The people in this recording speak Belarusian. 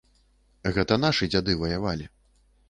Гэта нашы дзяды ваявалі.